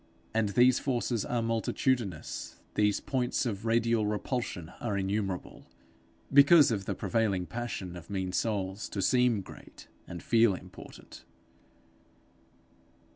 And these forces are multitudinous, these points of radial repulsion are innumerable, because of the prevailing passion of mean souls to seem great, and feel important.